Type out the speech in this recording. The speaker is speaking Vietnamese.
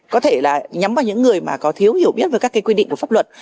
có thể là nhắm vào những người mà có thiếu hiểu biết về các quy định của pháp luật